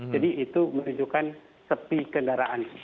jadi itu menunjukkan sepi kendaraan